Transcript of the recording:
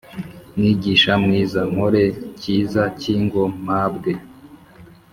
Mwigisha mwiza nkore cyiza ki ngo mpabwe